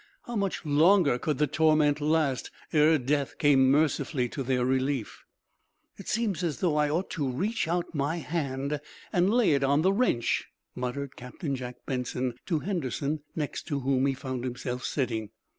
How much longer could the torment last, ere death came mercifully to their relief? "It seems as though I ought to reach out my hand and lay it on the wrench," muttered Captain Jack Benson, to Henderson, next to whom he found himself sitting.